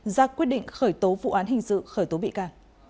ra quyết định khởi tố vụ án hình sự khởi tố bị ca